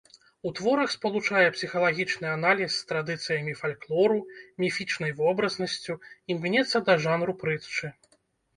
У творах спалучае псіхалагічны аналіз з традыцыямі фальклору, міфічнай вобразнасцю, імкнецца да жанру прытчы.